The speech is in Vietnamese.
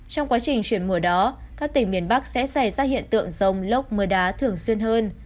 trong quá trình chuyển mùa đó các tỉnh miền bắc sẽ xảy ra hiện tượng dông lốc mưa đá thường xuyên hơn